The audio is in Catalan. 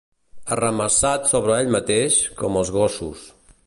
Arramassat sobre ell mateix, com els gossos.